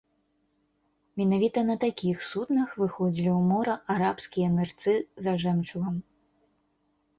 Менавіта на такіх суднах выходзілі ў мора арабскія нырцы за жэмчугам.